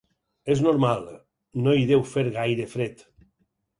És normal, no hi deu fer gaire fred.